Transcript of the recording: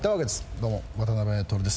どうも、渡辺徹です。